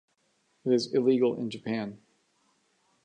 It is illegal in Japan.